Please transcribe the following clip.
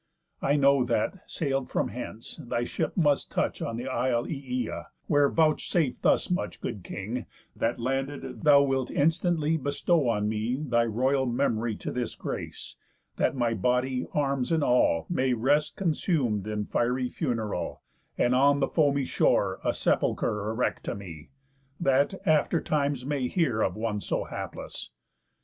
I know that, sail'd from hence, thy ship must touch On th' isle Ææa; where vouchsafe thus much, Good king, that, landed, thou wilt instantly Bestow on me thy royal memory To this grace, that my body, arms and all, May rest consum'd in fiery funeral; And on the foamy shore a sepulchre Erect to me, that after times may hear Of one so hapless.